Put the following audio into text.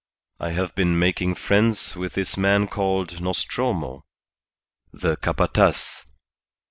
I have been making friends with this man called Nostromo, the Capataz.